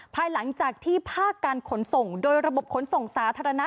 ภายหลังจากที่ภาคการขนส่งโดยระบบขนส่งสาธารณะ